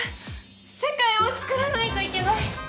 世界をつくらないといけない。